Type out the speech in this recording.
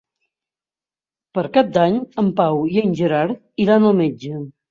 Per Cap d'Any en Pau i en Gerard iran al metge.